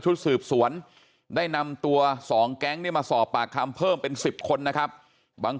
สืบสวนได้นำตัว๒แก๊งเนี่ยมาสอบปากคำเพิ่มเป็น๑๐คนนะครับบาง